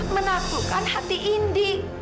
menaklukkan hati indi